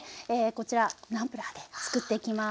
こちらナンプラーでつくっていきます。